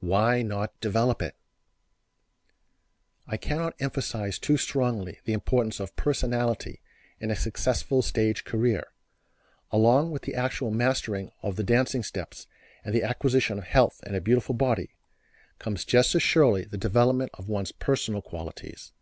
Why not develop it?" I cannot emphasize too strongly the importance of personality in a successful stage career. Along with the actual mastering of the dancing steps and the acquisition of health and a beautiful body, comes just as surely the development of one's personal qualities.